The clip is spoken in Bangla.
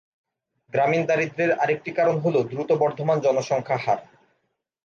গ্রামীণ দারিদ্র্যের আরেকটি কারণ হল দ্রুত বর্ধমান জনসংখ্যা হার।